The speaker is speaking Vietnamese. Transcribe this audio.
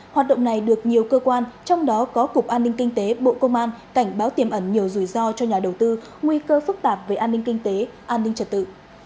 hoạt động này được nhiều cơ quan trong đó có cục an ninh kinh tế bộ công an cảnh báo tiềm ẩn nhiều rủi ro cho nhà đầu tư nguy cơ phức tạp về an ninh kinh tế an ninh trật tự